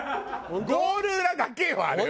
ゴール裏だけよあれは！